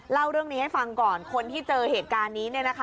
เล่าเรื่องนี้ให้ฟังก่อนคนที่เจอเหตุการณ์นี้